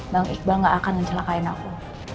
bang iqbal enggak akan ngecelakain aku